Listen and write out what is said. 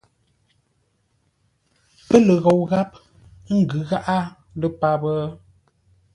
Pə́ lə ghou gháp, ə́ ngʉ̌ gháʼá lə́ páp?